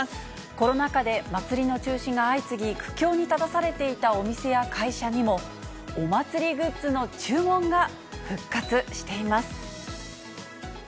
コロナ禍で祭りの中止が相次ぎ、苦境に立たされていたお店や会社にも、お祭りグッズの注文が復活しています。